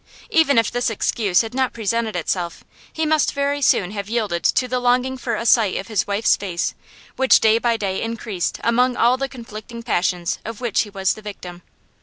Even if this excuse had not presented itself he must very soon have yielded to the longing for a sight of his wife's face which day by day increased among all the conflicting passions of which he was the victim.